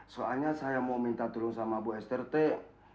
soalnya saya mau minta tolong sama bu esther teh